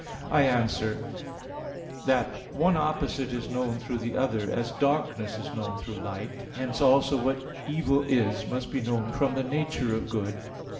I answer that, One opposite is known through the other, as darkness is known through light. Hence also what evil is must be known from the nature of good.